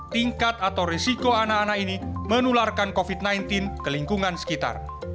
tingkat atau risiko anak anak ini menularkan covid sembilan belas ke lingkungan sekitar